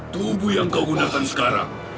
tubuh yang kau gunakan sekarang